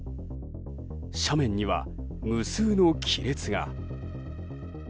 斜面には無数の亀裂が。